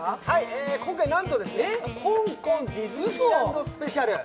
今回、なんと香港ディズニーランドスペシャル。